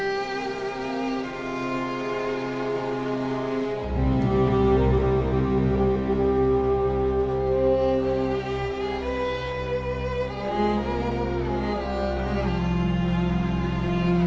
negara ini juga berguna dengan